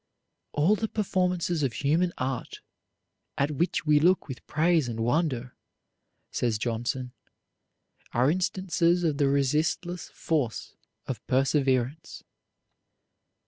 "All the performances of human art, at which we look with praise and wonder," says Johnson, "are instances of the resistless force of perseverance."